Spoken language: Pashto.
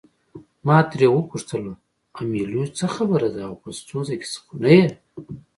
ما ترې وپوښتل امیلیو څه خبره ده آیا په ستونزه کې خو نه یې.